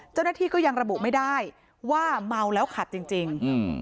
เจ้าหน้าที่ก็ยังระบุไม่ได้ว่าเมาแล้วขับจริงจริงอืม